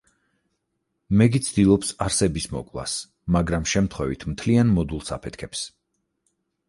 მეგი ცდილობს არსების მოკვლას, მაგრამ შემთხვევით მთლიან მოდულს აფეთქებს.